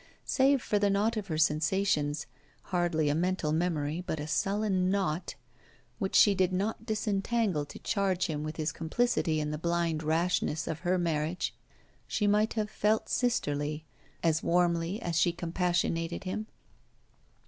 Save for the knot of her sensations (hardly a mental memory, but a sullen knot) which she did not disentangle to charge him with his complicity in the blind rashness of her marriage, she might have felt sisterly, as warmly as she compassionated him.